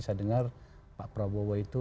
saya dengar pak prabowo itu